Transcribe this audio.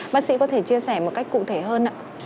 bác sĩ có thể chia sẻ một cách cụ thể hơn ạ